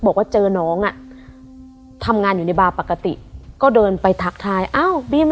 บอกว่าเจอน้องอ่ะทำงานอยู่ในบาร์ปกติก็เดินไปทักทายอ้าว